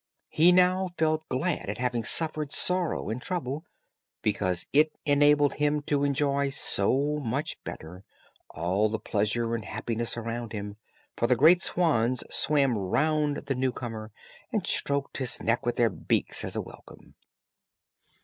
He now felt glad at having suffered sorrow and trouble, because it enabled him to enjoy so much better all the pleasure and happiness around him; for the great swans swam round the new comer, and stroked his neck with their beaks, as a welcome.